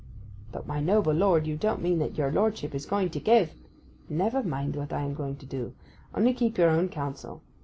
'But, my noble lord, you don't mean that your lordship is going to give—' 'Never mind what I am going to do. Only keep your own counsel.